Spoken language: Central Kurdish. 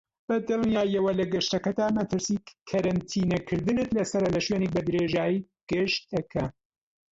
بەدڵنیاییەوە لە گەشتەکەتدا مەترسی کەرەنتینە کردنت لەسەرە لەشوێنێک بەدرێژایی گەشتەکە.